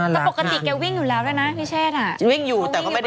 มันปกติวิ่งอยู่แล้วด้วยนะ